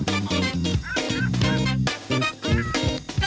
โปรดติดตามตอนต่อไป